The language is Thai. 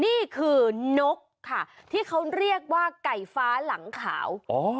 นี่คือนกค่ะที่เขาเรียกว่าไก่ฟ้าหลังขาว